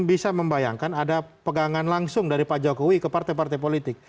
bisa membayangkan ada pegangan langsung dari pak jokowi ke partai partai politik